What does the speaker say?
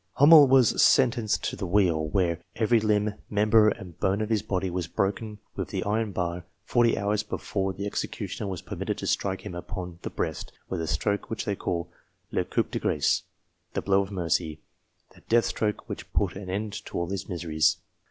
Homel was sentenced to the wheel, where "every limb, member, and bone of his body were broken with the iron bar, forty hours before the executioner was permitted to strike him upon the breast, with a stroke which they call c le coup de grace] the blow of mercy that death stroke which put an end to all his miseries."